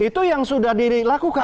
itu yang sudah dilakukan